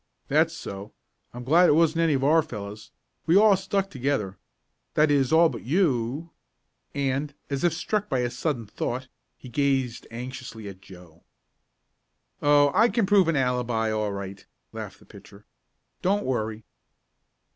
"That's so. I'm glad it wasn't any of our fellows. We all stuck together that is all but you " and, as if struck by a sudden thought, he gazed anxiously at Joe. "Oh, I can prove an alibi all right," laughed the pitcher. "Don't worry."